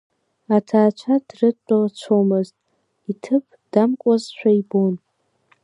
Аҭаацәа дрыдтәалацәомызт, иҭыԥ дамкуазшәа ибон.